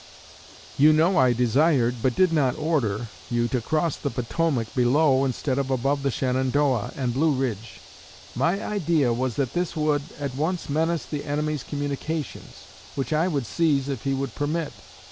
You know I desired, but did not order, you to cross the Potomac below instead of above the Shenandoah and Blue Ridge. My idea was, that this would at once menace the enemy's communications, which I would seize if he would permit.